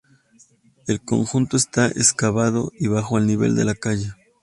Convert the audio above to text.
El conjunto está excavado y bajo el nivel de la calle.